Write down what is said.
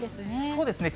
そうですね。